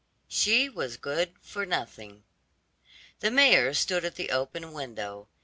SHE WAS GOOD FOR NOTHING The mayor stood at the open window.